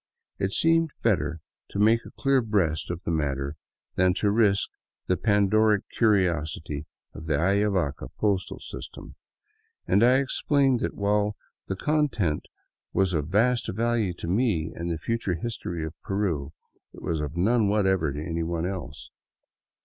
It seemed better to make a clear breast of the matter than to risk the Pandoric curiosity of the Ayavaca postal system, and I explained that, while the contents was of vast value to me and the future history of Peru, it was of none whatever to anyone else.